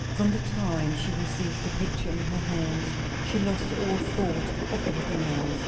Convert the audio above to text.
From the time she received the picture in her hands she lost all thought of everything else.